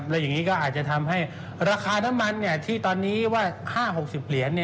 แล้วอย่างนี้ก็อาจจะทำให้ราคาน้ำมันที่ตอนนี้ว่า๕๖๐เหรียญ